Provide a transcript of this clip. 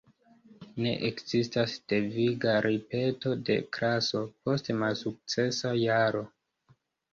Ne ekzistas deviga ripeto de klaso post malsukcesa jaro.